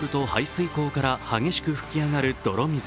マンホールと排水溝から激しく噴き上がる泥水